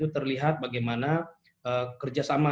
terlihat bagaimana kerjasama